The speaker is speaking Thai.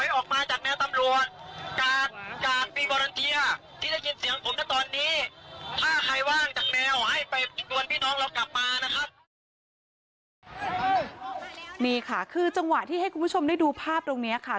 นี่ค่ะคือจังหวะที่ให้คุณผู้ชมได้ดูภาพตรงนี้ค่ะ